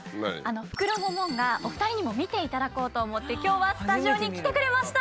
フクロモモンガお二人にも見ていただこうと思って今日はスタジオに来てくれました。